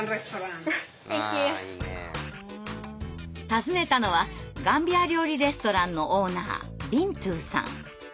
訪ねたのはガンビア料理レストランのオーナービントゥーさん。